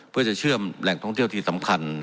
เพื่อจะเชื่อมแหล่งท่องเที่ยวที่สำคัญ